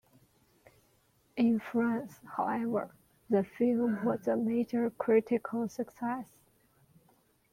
In France, however, the film was a "major critical success".